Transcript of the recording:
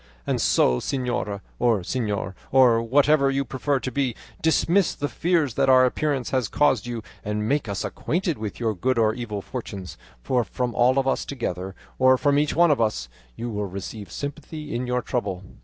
And so, señora, or señor, or whatever you prefer to be, dismiss the fears that our appearance has caused you and make us acquainted with your good or evil fortunes, for from all of us together, or from each one of us, you will receive sympathy in your trouble."